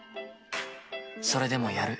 それでもやる。